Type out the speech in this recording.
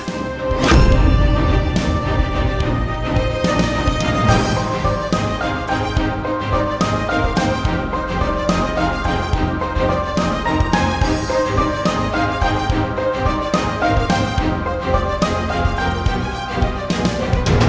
hukuman itu terjadi